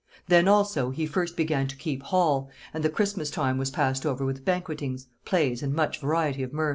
Then also he first began to keep hall, and the Christmas time was passed over with banquetings, plays, and much variety of mirth."